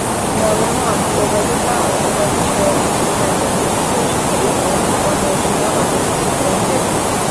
মওলানা ওবায়দুল্লাহ আল ওবায়দী সোহরাওয়ার্দী ছিলেন একজন বিশিষ্ট শিক্ষাবিদ ও ঢাকা মুহ্সিনিয়া মাদ্রাসার সুপারিনটেন্ডেন্ট।